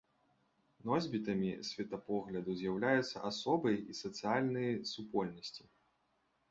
Носьбітамі светапогляду з'яўляюцца асобы і сацыяльныя супольнасці.